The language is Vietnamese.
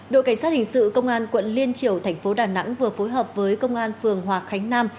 đội cảnh sát hình sự công an quận liên triểu thành phố đà nẵng vừa phối hợp với công an phường hòa khánh nam